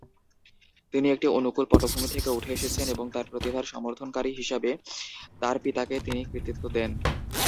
তিনি একটি অনুকূল পটভূমি থেকে উঠে এসেছেন এবং তার প্রতিভার সমর্থনকারী হিসাবে তার পিতাকে তিনি কৃতিত্ব দেন।